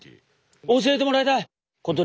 教えてもらいたい。